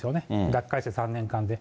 脱会して３年間で。